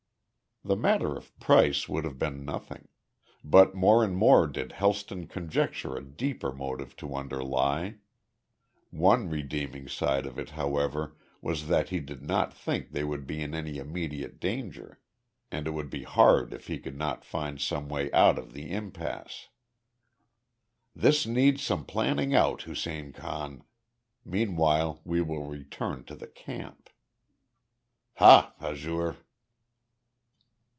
The matter of price would have been nothing. But more and more did Helston conjecture a deeper motive to underly. One redeeming side of it, however, was that he did not think they would be in any immediate danger, and it would be hard if he could not find some way out of the impasse. "This needs some planning out, Hussein Khan. Meanwhile we will return to the camp." "Ha, Hazur."